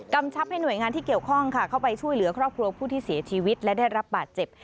ชับให้หน่วยงานที่เกี่ยวข้องค่ะเข้าไปช่วยเหลือครอบครัวผู้ที่เสียชีวิตและได้รับบาดเจ็บ